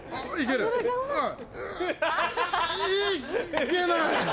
いけない。